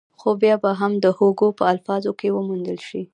خو بيا به هم د هوګو په الفاظو کې وموندل شي.